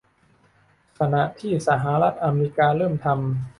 ขณะที่สหรัฐอเมริกาเริ่มทำ